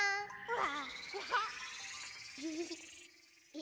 「わ！」